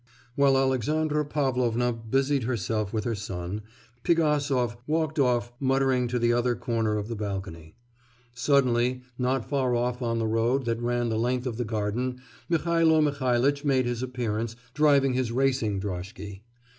While Alexandra Pavlovna busied herself with her son, Pigasov walked off muttering to the other corner of the balcony. Suddenly, not far off on the road that ran the length of the garden, Mihailo Mihailitch made his appearance driving his racing droshky.